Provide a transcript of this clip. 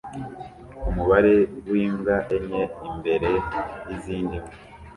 Umubare wimbwa enye imbere yizindi mbwa